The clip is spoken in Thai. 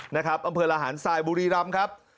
อำเภอลหาญสายบุรีรัมครับ